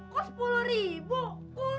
kok sepuluh ribu kurang